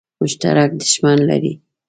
مشترک دښمن لري.